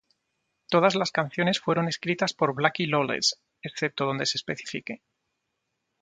Todas las canciones fueron escritas por Blackie Lawless, excepto donde se especifique.